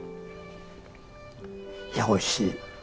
いやおいしい。